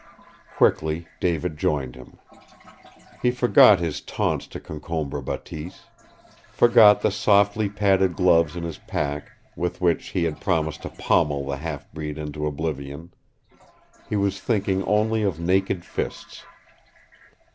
Quickly David joined him. He forgot his taunts to Concombre Bateese, forgot the softly padded gloves in his pack with which he had promised to pommel the half breed into oblivion. He was thinking only of naked fists.